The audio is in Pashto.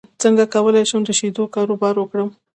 څنګه کولی شم د شیدو کاروبار وکړم